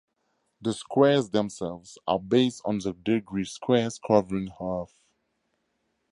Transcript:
The squares themselves are based on the degree squares covering earth.